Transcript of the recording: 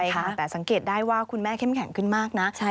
แต่สังเกตได้ว่าคุณแม่เข้มแข็งขึ้นมากนะ